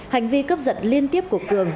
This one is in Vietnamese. hành vi cướp giật liên tiếp của cường